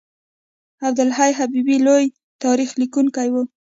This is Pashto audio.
عبدالحی حبیبي لوی تاریخ لیکونکی و.